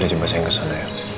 nanti jumpa saya yang kesana ya